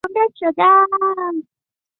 还以为是公车